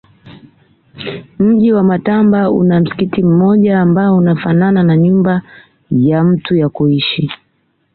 Mji wa Matamba una msikiti mmoja ambao unafanana na nyumba ya mtu ya kuishi